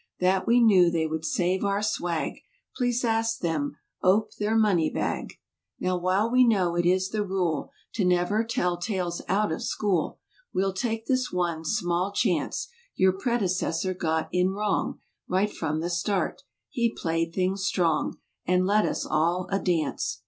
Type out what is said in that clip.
That we knew they would save our "swag"— Please ask them ope their money bag. Now while we know it is the rule To never tell tales out of school We'll take this one small chance: Your predecessor got in wrong Right from the start. He played things strong And led us all a dance.